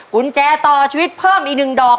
กุญแจต่อชีวิตเพิ่มอีก๑ดอก